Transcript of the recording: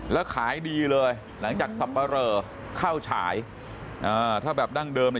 แล้วขายดีเลยหลังจากสับปะเรอเข้าฉายถ้าแบบดั้งเดิม